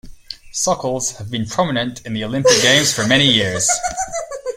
Sokols have been prominent in the Olympic Games for many years.